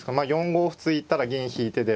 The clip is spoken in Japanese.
４五歩突いたら銀引いてで。